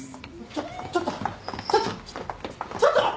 ちょっちょっとちょっとちょっと！